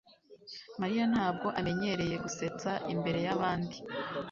mariya ntabwo amenyereye gusetsa imbere yabandi